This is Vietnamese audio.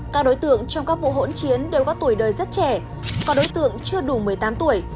các đối tượng trong các vụ hỗn chiến đều có tuổi đời rất trẻ có đối tượng chưa đủ một mươi tám tuổi